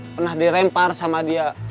pernah dirempar sama dia